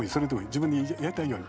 自分のやりたいように。